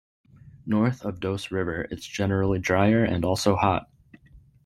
North of Doce River it's generally drier and also hot.